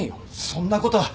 そんなことは。